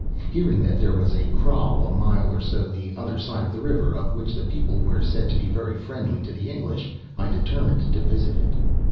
Hearing that there was a kraal a mile or so the other side of the river, of which the people were said to be very friendly to the English, I determined to visit it.